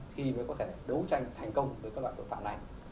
khi mới có thể đấu tranh thành công với các loại tội phạm này